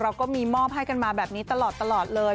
เราก็มีมอบให้กันมาแบบนี้ตลอดเลย